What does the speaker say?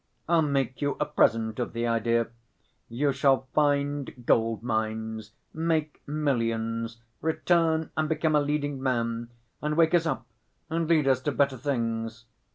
I'll make you a present of the idea: you shall find gold‐mines, make millions, return and become a leading man, and wake us up and lead us to better things.